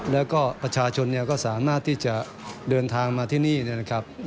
แล้วก็ประชาชนก็สามารถที่จะเดินทางมาที่นี่นะครับ